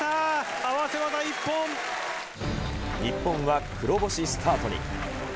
合日本は黒星スタートに。